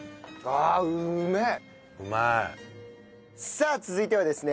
さあ続いてはですね